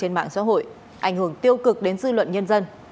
trên mạng xã hội ảnh hưởng tiêu cực đến dư luận nhân dân